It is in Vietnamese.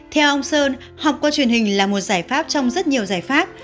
theo ông sơn học qua truyền hình là một giải pháp trong rất nhiều giải pháp